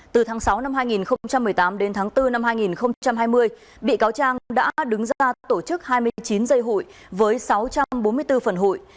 từ tháng sáu năm hai nghìn một mươi tám đến tháng bốn năm hai nghìn hai mươi bị cáo trang đã đứng ra tổ chức hai mươi chín dây hụi với sáu trăm bốn mươi bốn phần hụi